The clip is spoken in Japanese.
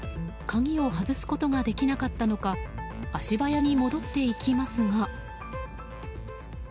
鍵を外すことができなかったのか足早に戻っていきますが。